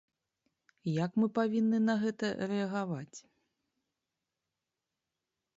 Як мы павінны на гэта рэагаваць?